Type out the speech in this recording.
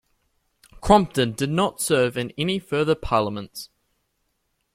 Crompton did not serve in any further Parliaments.